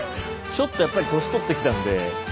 ちょっとやっぱり年取ってきたんで。